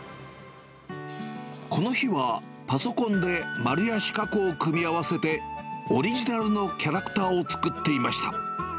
この日は、パソコンで丸や四角を組み合わせて、オリジナルのキャラクターを作っていました。